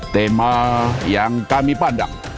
tema yang kami pandang